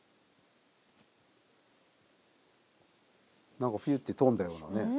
何かひゅって飛んだようなね。